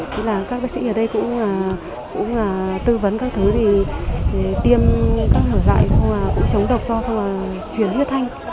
thế là các bác sĩ ở đây cũng tư vấn các thứ để tiêm các hở lại xong rồi cũng chống độc cho xong rồi chuyển huyết thanh